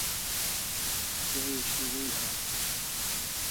Geri shurui aw